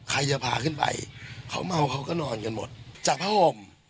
ใครจะพาขึ้นไปเขาเมาเขาก็นอนกันหมดจากผ้าห่ม